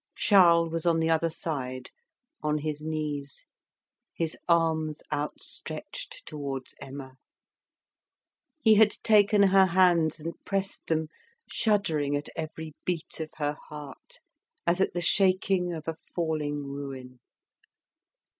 Charles was on the other side, on his knees, his arms outstretched towards Emma. He had taken her hands and pressed them, shuddering at every beat of her heart, as at the shaking of a falling ruin.